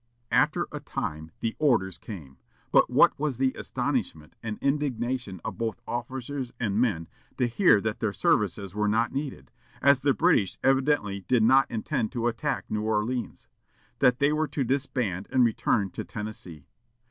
After a time the "orders" came, but what was the astonishment and indignation of both officers and men to hear that their services were not needed, as the British evidently did not intend to attack New Orleans; that they were to disband and return to Tennessee.